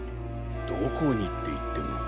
どこにっていっても。